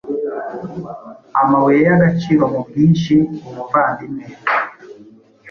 Amabuye yagaciro mubwinshi umuvandimwe